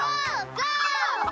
ゴー！